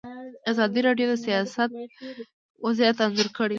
ازادي راډیو د سیاست وضعیت انځور کړی.